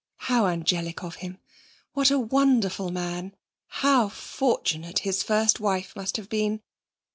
How angelic of him; what a wonderful man how fortunate his first wife must have been.